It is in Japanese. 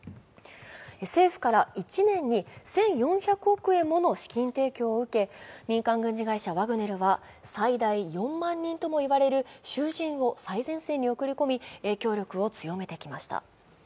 政府から１年に１４００億円もの資金提供を受け、民間軍事会社ワグネルは最大４万人とも言われる囚人を最前線に送り込み、影響力を強めてきました。